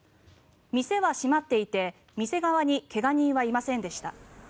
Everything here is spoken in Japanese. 店は閉まっていて店側に怪我人はいませんでした。